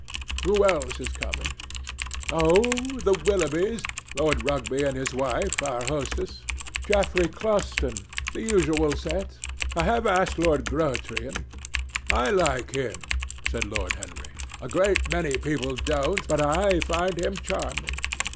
Who else is coming?" "Oh, the Willoughbys, Lord Rugby and his wife, our hostess, Geoffrey Clouston, the usual set. I have asked Lord Grotrian." "I like him," said Lord Henry. "A great many people don't, but I find him charming.